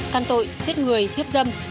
can tội giết người hiếp dâm